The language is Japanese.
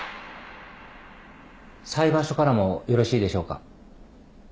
裁判所からもよろしいでしょうか。